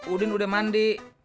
udin udah mandi